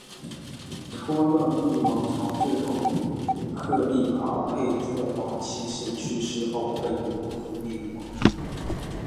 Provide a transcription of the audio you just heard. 托勒密王朝最后于克丽奥佩特拉七世去世后被罗马灭亡。